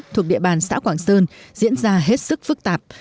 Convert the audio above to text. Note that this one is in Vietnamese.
thuộc địa bàn xã quảng sơn diễn ra hết sức phức tạp